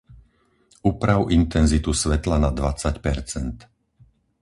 Uprav intenzitu svetla na dvadsať percent.